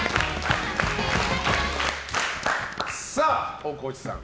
大河内さん